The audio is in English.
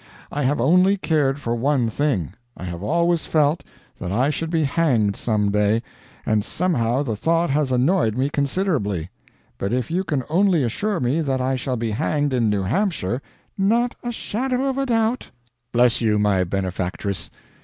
I have only cared for one thing. I have always felt that I should be hanged some day, and somehow the thought has annoyed me considerably; but if you can only assure me that I shall be hanged in New Hampshire " "Not a shadow of a doubt!" "Bless you, my benefactress!